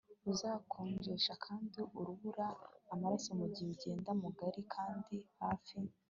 uzakonjesha kandi urubura amaraso mugihe ugenda mugari kandi hafi